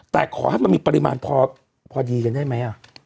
แต่ขอให้มันมีปริมาณพอดีกันได้ไหม